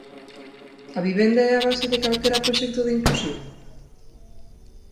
A vivenda é a base de calquera proxecto de inclusión?